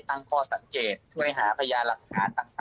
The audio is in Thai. ตั้งข้อสังเกตช่วยหาพยานหลักฐานต่าง